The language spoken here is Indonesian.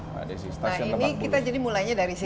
nah ini kita jadi mulainya dari sini